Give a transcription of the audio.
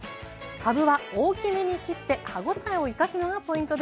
かぶは大きめに切って歯ごたえを生かすのがポイントです。